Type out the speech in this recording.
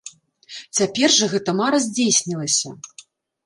Цяпер жа гэта мара здзейснілася.